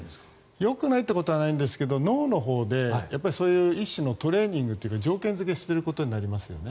よくないということはないんですけど脳のほうで一種のトレーニングというか条件付けしていることになりますよね。